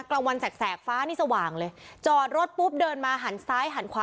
กลางวันแสกฟ้านี่สว่างเลยจอดรถปุ๊บเดินมาหันซ้ายหันขวา